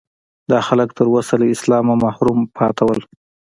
دا خلک تر اوسه له اسلامه محروم پاتې وو.